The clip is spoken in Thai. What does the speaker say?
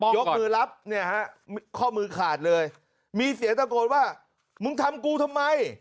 ยกมือรับเนี่ยฮะข้อมือขาดเลยมีเสียงตะโกนว่ามึงทำกูทำไม